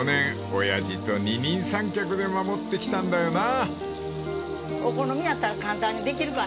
［親父と二人三脚で守ってきたんだよな］